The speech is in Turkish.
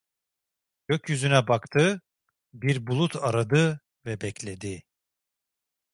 Gökyüzüne baktı, bir bulut aradı ve bekledi…